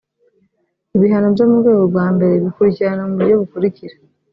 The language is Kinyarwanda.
ibihano byo mu rwego rwa mbere bikurikirana ku buryo bukurikira